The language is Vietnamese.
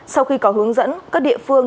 sau khi có hướng dẫn các địa phương